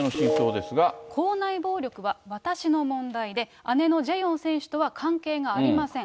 校内暴力は私の問題で、姉のジェヨン選手とは関係ありません。